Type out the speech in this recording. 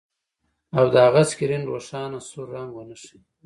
او د هغه سکرین روښانه سور رنګ ونه ښيي